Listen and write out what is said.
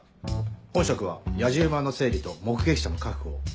本職はやじ馬の整理と目撃者の確保を。